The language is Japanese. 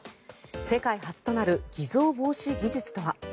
世界初となる偽造防止技術とは。